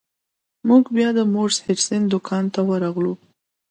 موږ بیا د مورس هډسن دکان ته ورغلو.